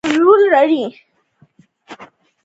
سلیمان غر د افغانستان د ټولنې لپاره بنسټيز رول لري.